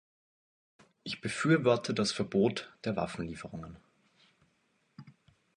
Ich befürworte das Verbot der Waffenlieferungen.